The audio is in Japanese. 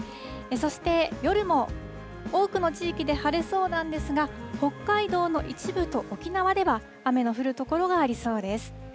そして夜も多くの地域で晴れそうなんですが、北海道の一部と沖縄では雨の降る所がありそうです。